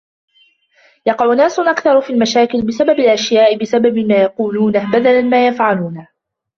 يقع ناس أكثر في المشاكل بسبب الأشياء بسبب ما يقولونه بدلا ما يفعلونه.